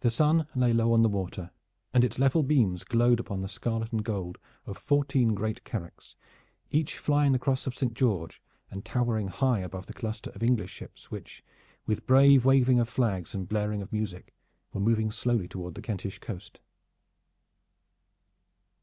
The sun lay low on the water, and its level beams glowed upon the scarlet and gold of fourteen great caracks, each flying the cross of Saint George, and towering high above the cluster of English ships which, with brave waving of flags and blaring of music, were moving slowly towards the Kentish coast.